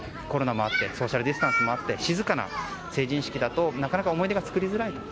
コロナもあってソーシャルディスタンスもあって静かな成人式だとなかなか思い出が作りづらい。